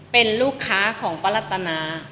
เป็นลูกค้าของป้ารัตนา